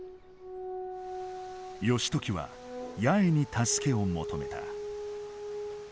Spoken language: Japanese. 義時は八重に助けを求めた。